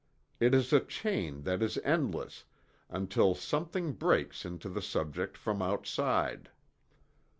It is a chain that is endless, until something breaks into the subject from outside.